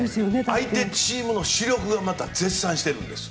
相手チームの主力がまた絶賛してるんです。